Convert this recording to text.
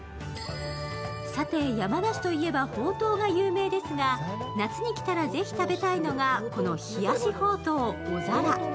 さて、山梨といえばほうとうが有名ですが夏に来たら是非食べたいのがこの冷やしほうとう・おざら。